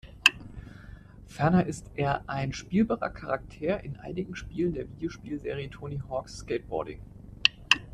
Ferner ist er ein spielbarer Charakter in einigen Spielen der Videospielserie "Tony Hawk’s Skateboarding".